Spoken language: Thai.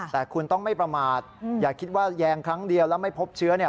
แต่คุณต้องไม่ประมาทอย่าคิดว่าแยงครั้งเดียวแล้วไม่พบเชื้อ